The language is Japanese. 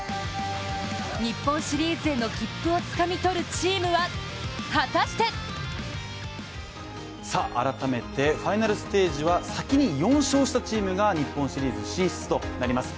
日本シリーズへの切符をつかみ取るチームは果たして改めて、ファイナルステージは先に４勝したチームが日本シリーズ進出となります。